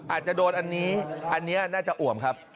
อาจจะโดนอันนี้อันนี้น่าจะอ่วมครับ